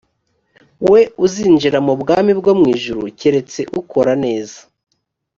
we uzinjira mu bwami bwo mu ijuru keretse ukora neza